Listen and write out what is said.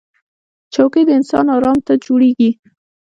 چوکۍ د انسان ارام ته جوړېږي